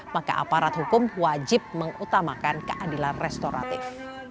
maka aparat hukum wajib mengutamakan keadilan restoratif